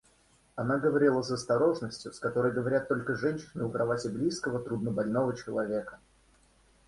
Она говорила с осторожностью, с которой говорят только женщины у кровати близкого труднобольного человека...